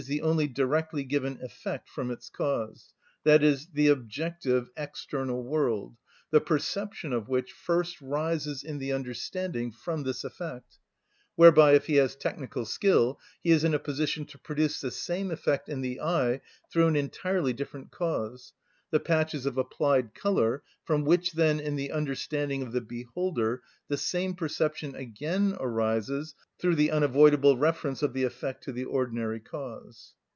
_, the only directly given effect, from its cause, i.e., the objective external world, the perception of which first rises in the understanding from this effect; whereby, if he has technical skill, he is in a position to produce the same effect in the eye through an entirely different cause, the patches of applied colour, from which then in the understanding of the beholder the same perception again arises through the unavoidable reference of the effect to the ordinary cause.